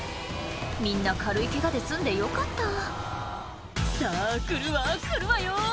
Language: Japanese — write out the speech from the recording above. みんな軽いケガで済んでよかった「さぁ来るわ来るわよ」